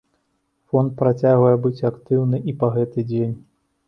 Фонд працягвае быць актыўны і па гэты дзень.